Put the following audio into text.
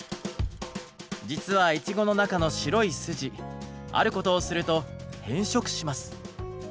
実はイチゴの中の白い筋あることをすると変色します。